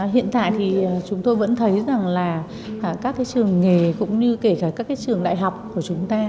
hiện tại thì chúng tôi vẫn thấy rằng là các trường nghề cũng như kể cả các trường đại học của chúng ta